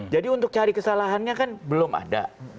jadi untuk cari kesalahannya kan belum ada